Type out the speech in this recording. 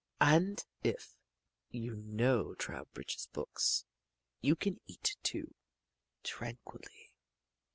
And if you know Trowbridge's books you can eat, too, tranquilly.